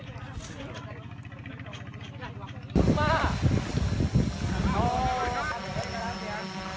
ส่วนภาพชูนิแทบสุดสุดและอีกข้างก็ดี